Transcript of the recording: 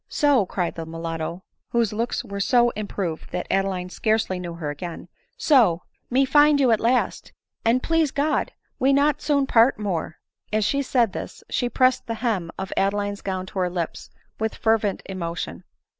" So !" cried the mulatto,/ (whose looks were so im proved that Adeline scarcely knew her again,) " So ! me find you at last ; and, please God ! we not soon part more." As she said this she pressed the hem of Ade line's gown to her lips with fervent emotion.